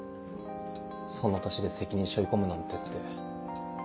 その年で責任背負い込むなんてって。